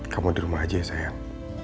kamu di rumah aja sayang